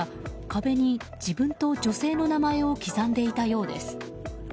どうやら、壁に自分と女性の名前を刻んでいたようです。